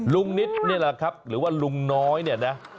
นิดนี่แหละครับหรือว่าลุงน้อยเนี่ยนะ